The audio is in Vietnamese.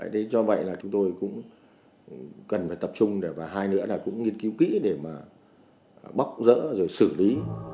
thế cho vậy là chúng tôi cũng cần phải tập trung để và hai nữa là cũng nghiên cứu kỹ để mà bóc rỡ rồi xử lý